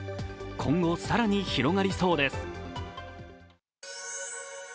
今後、更に広がりそうです。